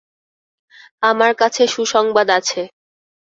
আমার কাছে সুসংবাদ আছে।